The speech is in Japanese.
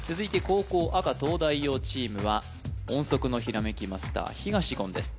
後攻赤東大王チームは音速のひらめきマスター東言です